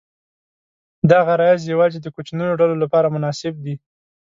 دا غرایز یواځې د کوچنیو ډلو لپاره مناسب دي.